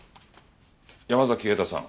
山崎永太さん。